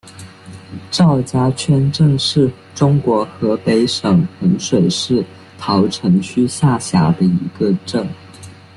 赵家圈镇是中国河北省衡水市桃城区下辖的一个镇。